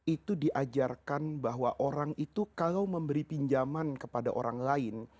itu diajarkan bahwa orang itu kalau memberi pinjaman kepada orang lain